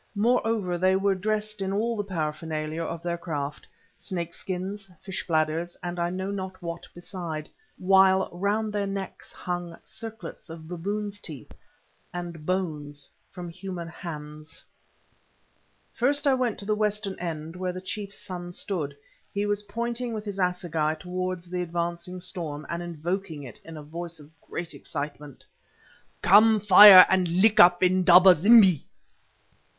Moreover they were dressed in all the paraphernalia of their craft, snakeskins, fish bladders, and I know not what beside, while round their necks hung circlets of baboons' teeth and bones from human hands. First I went to the western end where the chief's son stood. He was pointing with his assegai towards the advancing storm, and invoking it in a voice of great excitement. "Come, fire, and lick up Indaba zimbi!